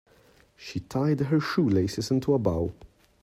She tied her shoelaces into a bow.